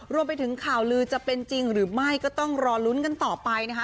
รวมไปถึงข่าวลือจะเป็นจริงหรือไม่ก็ต้องรอลุ้นกันต่อไปนะคะ